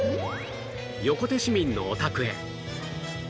横手市民のお宅へ